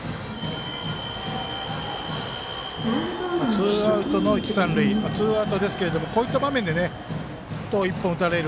ツーアウトの一、三塁ツーアウトですけれどもこういった場面でヒットを１本打たれる。